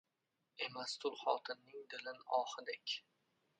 Emas tul xotinning dilin ohidek.